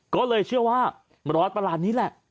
ก็เลยเชื่อว่ารอยประหลาดนี้แหละ